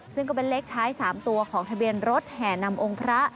ซึ่งก็เป็นเลขท้าย๓ตัวของทะเบียนรถแห่นำองค์พระ